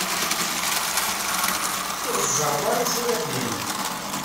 Ur teẓẓareḍ ara isura iqdimen?